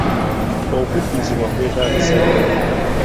Okuddizibwa kwetaagisa ddi?